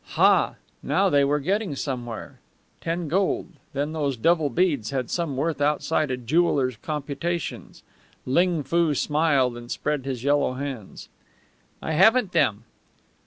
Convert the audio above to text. Ha! Now they were getting somewhere. Ten gold! Then those devil beads had some worth outside a jeweller's computations? Ling Foo smiled and spread his yellow hands. "I haven't them."